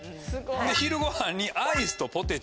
昼ごはんにアイスとポテチ。